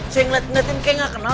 saya ngeliatin kayak nggak kenal